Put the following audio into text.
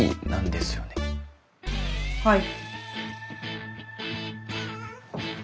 はい。